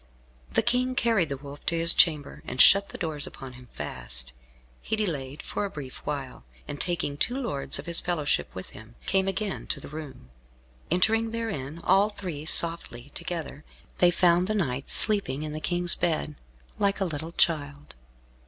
The King carried the Wolf to his chamber, and shut the doors upon him fast. He delayed for a brief while, and taking two lords of his fellowship with him, came again to the room. Entering therein, all three, softly together, they found the knight sleeping in the King's bed, like a little child.